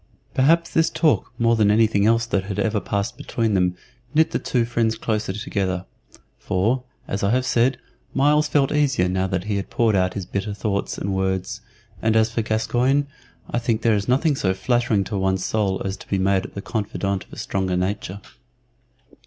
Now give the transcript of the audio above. Perhaps this talk more than anything else that had ever passed between them knit the two friends the closer together, for, as I have said, Myles felt easier now that he had poured out his bitter thoughts and words; and as for Gascoyne, I think that there is nothing so flattering to one's soul as to be made the confidant of a stronger nature.